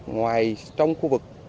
ngoài trong khu vực